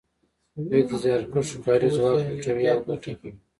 دوی د زیارکښو کاري ځواک لوټوي او ګټه کوي